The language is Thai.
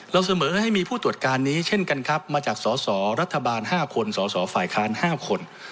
เสมอให้มีผู้ตรวจการนี้เช่นกันครับมาจากสสรัฐบาล๕คนสสฝ่ายค้าน๕คน